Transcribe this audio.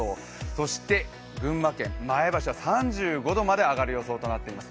そして群馬県前橋は３５度まで上がる予想となっています。